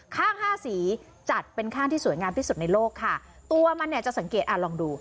ข้างห้าสีจัดเป็นข้างที่สวยงามที่สุดในโลกค่ะตัวมันเนี่ยจะสังเกตอ่าลองดู